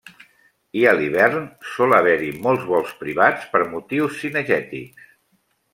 I a l'hivern sol haver-hi molts vols privats per motius cinegètics.